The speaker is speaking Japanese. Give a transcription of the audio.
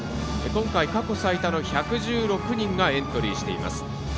今回、過去最多の１１６人がエントリーしています。